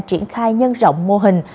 triển khai nhân rộng mô hình